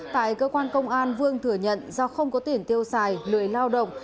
tại cơ quan công an vương thừa nhận do không có tiền tiêu xài lười lao động